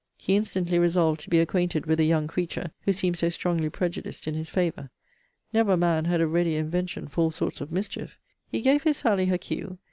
He instantly resolved to be acquainted with a young creature, who seemed so strongly prejudiced in his favour. Never man had a readier invention for all sorts of mischief. He gave his Sally her cue.